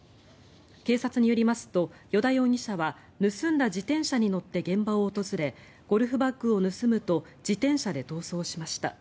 警察によりますと依田容疑者は盗んだ自転車に乗って現場を訪れゴルフバッグを奪うと自転車で逃走しました。